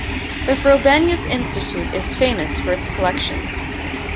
The Frobenius Institute is famous for its collections.